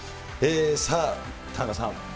さあ、田中さん。